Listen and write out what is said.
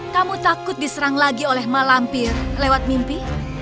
kamu takut diserang lagi oleh malampir lewat mimpi